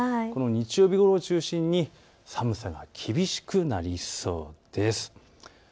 この日曜日を中心に寒さが厳しくなりそうです。